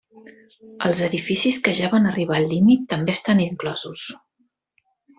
Els edificis que ja van arribar al límit també estan inclosos.